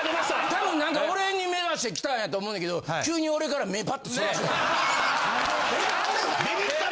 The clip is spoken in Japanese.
たぶんなんか俺に目指して来たんやと思うねんけど急に俺から目パッとそらした。